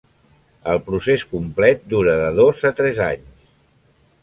El procés complet dura de dos a tres anys.